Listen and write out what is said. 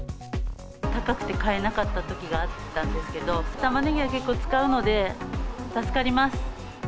高くて買えなかったときがあったんですけど、タマネギは結構使うので、助かります。